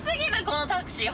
このタクシー。